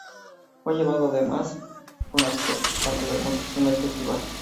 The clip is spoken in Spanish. Fue llevado además como un artista principiante al Music Summer Festival.